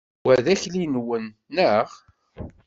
Wa d akli-nwen, neɣ?